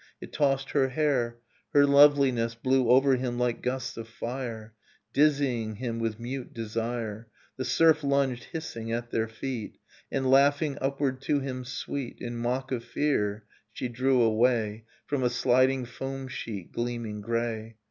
It tossed her hair, her loveliness Blew over him like gusts of fire. Dizzying him with mute desire ... The surf lunged, hissing, at their feet ... And laughing upward to him, sweet. In mock of fear she drew away From a sliding foam sheet gleaming grey.